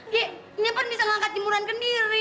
gek ini pun bisa ngangkat jimuran ke miri